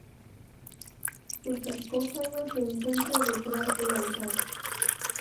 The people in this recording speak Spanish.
Su sarcófago se encuentra detrás del altar.